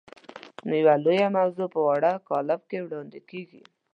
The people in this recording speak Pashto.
نو یوه لویه موضوع په واړه کالب کې وړاندې کېږي.